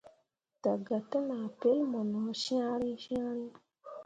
Daga te nah pel mu no cyãhrii cyãhrii.